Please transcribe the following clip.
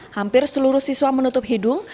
hampir seluruh siswa menutup hidung